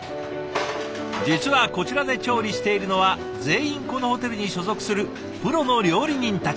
実はこちらで調理しているのは全員このホテルに所属するプロの料理人たち。